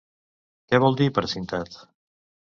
Què vol dir, precintat?